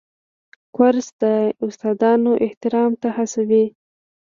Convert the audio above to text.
کورس د استادانو احترام ته هڅوي.